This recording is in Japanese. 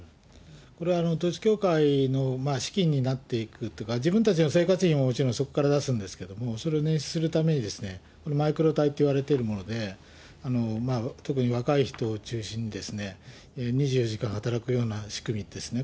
これは統一教会の資金になっていくとか、自分たちの生活費ももちろんそこから出すんですけれども、それをねん出するために、マイクロ隊っていわれてるもので、特に若い人を中心に、２４時間働くような仕組みですね。